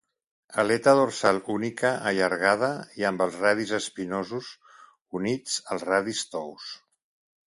Aleta dorsal única, allargada i amb els radis espinosos units als radis tous.